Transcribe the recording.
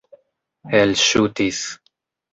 elŝutis